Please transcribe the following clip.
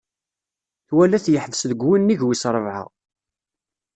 Twala-t yeḥbes deg wunnig wisrebɛa.